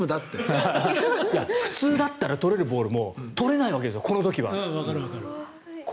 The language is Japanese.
普通だったらとれるボールもとれないんですよ、この時は。